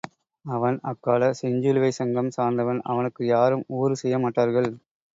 அவன் அக்காலச் செஞ்சிலுவைச்சங்கம் சார்ந்தவன் அவனுக்கு யாரும் ஊறு செய்யமாட்டார்கள்.